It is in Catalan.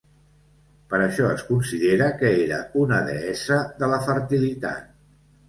Per això es considera que era una deessa de la fertilitat.